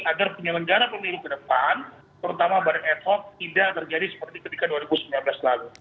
agar penyelenggara pemilu ke depan terutama badan ad hoc tidak terjadi seperti ketika dua ribu sembilan belas lalu